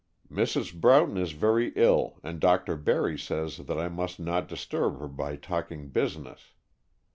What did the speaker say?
"Mrs. Broughton is very ill, and Dr. Barry says that I must not disturb her by talking business.